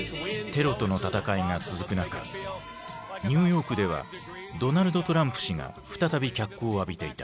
「テロとの戦い」が続く中ニューヨークではドナルド・トランプ氏が再び脚光を浴びていた。